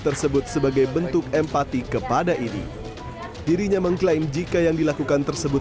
tersebut sebagai bentuk empati kepada idi dirinya mengklaim jika yang dilakukan tersebut